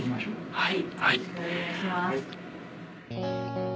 はい。